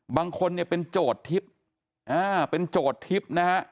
บางคนเนี่ยเป็นโจทย์ทิพย์เป็นโจทย์ทิพย์นะฮะ